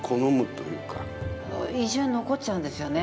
印象に残っちゃうんですよね。